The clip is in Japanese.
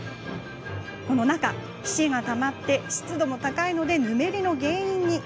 中に、皮脂がたまり湿度も高いので、ぬめりの原因に。